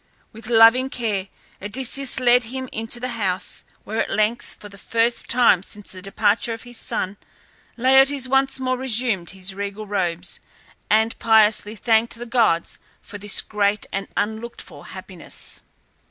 With loving care Odysseus led him into the house, where at length, for the first time since the departure of his son, Laertes once more resumed his regal robes, and piously thanked the gods for this great and unlooked for happiness.